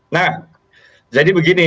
nah jadi begini